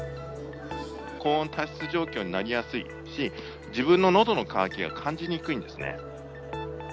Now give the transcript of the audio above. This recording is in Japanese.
高温多湿状況になりやすいし、自分ののどの渇きが感じにくいんですね。